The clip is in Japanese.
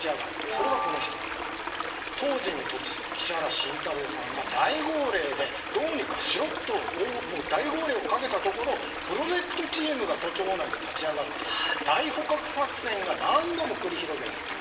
それが当時の都知事の石原慎太郎さんがどうにかしろと大号令をかけたところプロジェクトチームが都庁内で立ち上がって大捕獲作戦が何度も繰り広げられた。